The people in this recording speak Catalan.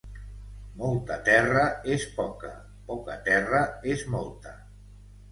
Molta terra és poca, poca terra és molta.